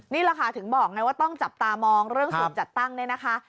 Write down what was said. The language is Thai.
นี่แหละค่ะถึงบอกไงว่าต้องจับตามองเรื่องสูตรจัดตั้งเนี่ยนะคะ